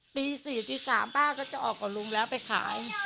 ตี๔ตี๓ป้าก็จะออกกับลุงแล้วไปขาย